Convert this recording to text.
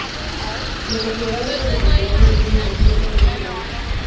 Se le consideraba hijo de Poseidón, y en algunas versiones era un gigante.